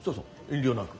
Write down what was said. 遠慮なく。